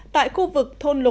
tại khu vực thôn lạc